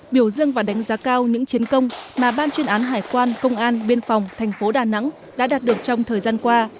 biểu dương và đánh giá cao những chiến công mà ban chuyên án hải quan công an biên phòng thành phố đà nẵng đã đạt được trong thời gian qua